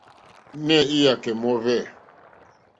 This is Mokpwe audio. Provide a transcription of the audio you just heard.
Nɛh Iyakɛ mɔhvɛ eeh?